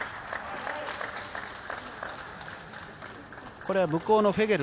これは向こうのフェゲル